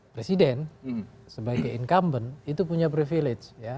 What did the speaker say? presiden sebagai incumbent itu punya privilege